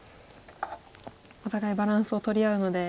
お互いバランスをとり合うので。